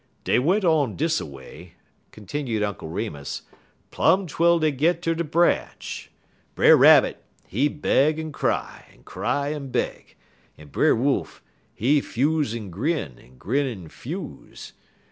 "Dey went on dis a way," continued Uncle Remus, "plum twel dey git ter de branch. Brer Rabbit, he beg en cry, en cry en beg, en Brer Wolf, he 'fuse en grin, en grin en 'fuse.